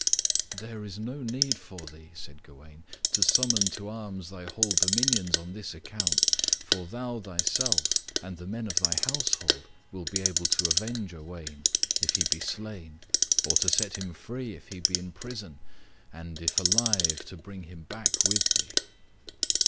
"There is no need for thee," said Gawain, "to summon to arms thy whole dominions on this account, for thou thyself, and the men of thy household, will be able to avenge Owain if he be slain or to set him free if he be in prison; and, if alive, to bring him back with thee."